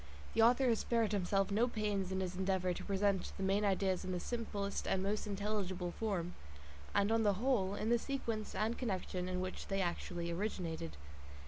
The author has spared himself no pains in his endeavour to present the main ideas in the simplest and most intelligible form, and on the whole, in the sequence and connection in which they actually originated.